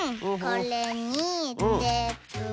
これにテープを。